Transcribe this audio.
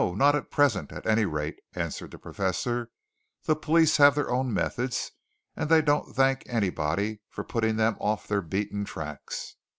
Not at present, at any rate," answered the Professor. "The police have their own methods, and they don't thank anybody for putting them off their beaten tracks.